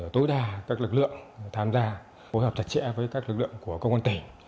tối đa các lực lượng tham gia phối hợp thật trẻ với các lực lượng của công an tỉnh